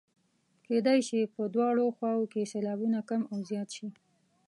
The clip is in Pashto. کیدلای شي په دواړو خواوو کې سېلابونه کم او زیات شي.